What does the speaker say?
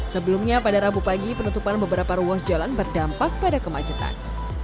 sebelumnya pada rabu pagi penutupan beberapa ruas jalan berdampak pada kemacetan